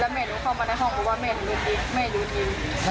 แล้วแม่หนูเข้ามาในห้องบอกว่าแม่หนูยิงแม่หนูยิง